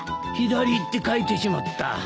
左って書いてしまった。